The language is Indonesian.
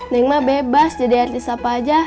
neng mah bebas jadi artis apa aja